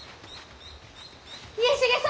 家重様。